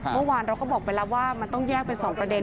เมื่อวานเราก็บอกไปแล้วว่ามันต้องแยกเป็น๒ประเด็น